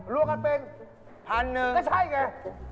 รัวกันเป็นก็ใช่ไงพันหนึ่ง